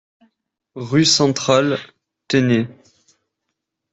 Rue Centrale, Tenay